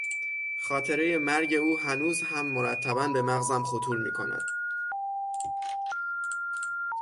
خاطرهی مرگ او هنوز هم مرتبا به مغزم خطور میکند.